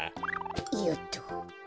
よっと。